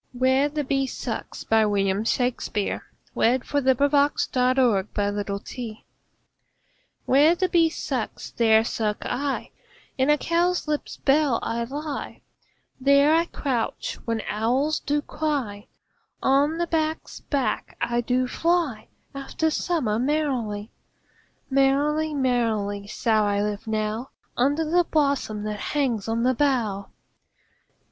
now I hear them, ding dong, bell. William Shakespeare Where the Bee Sucks, There Suck I Where the bee sucks, there suck I; In a cowslip's bell I lie; There I couch when owls do cry. On the bat's back I do fly After summer merrily. Merrily, merrily shall I live now Under the blossom that hangs on the bough.